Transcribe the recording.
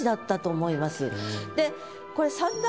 でこれ。